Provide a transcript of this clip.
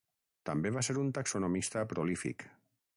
També va ser un taxonomista prolífic.